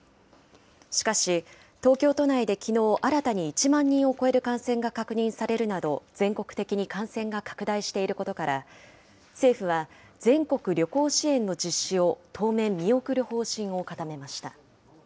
しかし、東京都内できのう、新たに１万人を超える感染が確認されるなど、全国的に感染が拡大していることから、政府は全国旅行支援の実施を当面、見送る方針を固めました。